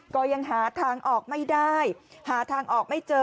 ก็ยังหาทางออกไม่ได้หาทางออกไม่เจอ